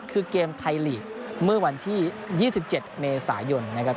คือเกมไทยลีกเมื่อวันที่๒๗เมษายนนะครับ